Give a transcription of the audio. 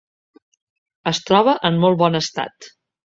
Es troba en molt bon estat.